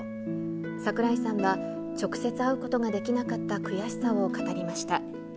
櫻井さんは、直接会うことができなかった悔しさを語りました。